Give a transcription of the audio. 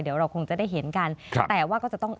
เดี๋ยวเราคงจะได้เห็นกันแต่ว่าก็จะต้อง